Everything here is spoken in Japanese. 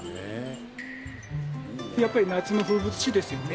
やっぱり夏の風物詩ですよね。